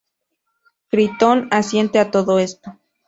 Critón asiente a todo esto.